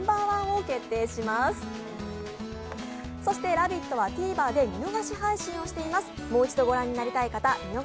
「ラヴィット！」はＴＶｅｒで見逃し配信をしています。